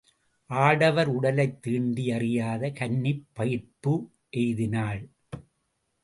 ஆடவர் உடலைத் தீண்டி யறியாத கன்னி பயிர்ப்பு எய்தினாள்.